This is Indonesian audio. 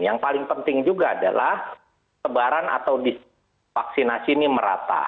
yang paling penting juga adalah tebaran atau vaksinasi ini merata